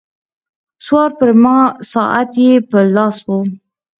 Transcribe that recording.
سوار پریما ساعت یې په لاس وو.